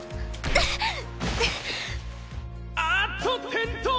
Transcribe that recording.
「ああっと転倒！」